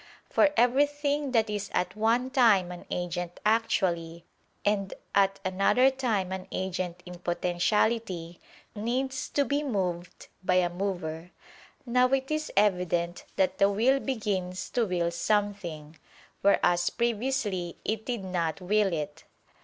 For everything that is at one time an agent actually, and at another time an agent in potentiality, needs to be moved by a mover. Now it is evident that the will begins to will something, whereas previously it did not will it.